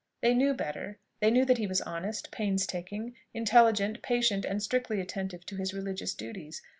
They knew better; they knew that he was honest, pains taking, intelligent, patient, and strictly attentive to his religious duties.